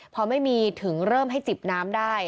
พอไม่มีถึงเริ่มให้จิบน้ำได้